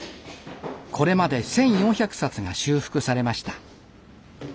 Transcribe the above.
これまで１，４００冊が修復されました。